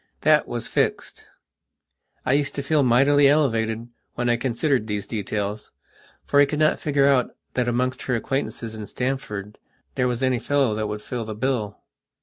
That was fixed. I used to feel mightily elevated when I considered these details, for I could not figure out that amongst her acquaintances in Stamford there was any fellow that would fill the bill.